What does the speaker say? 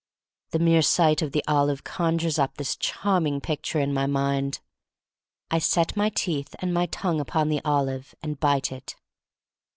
The mere sight of the olive conjures up this charming picture in my mind. I set my teeth and my tongue upon the olive, and bite it.